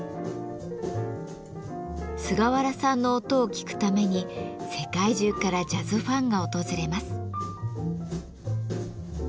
菅原さんの音を聴くために世界中からジャズファンが訪れます。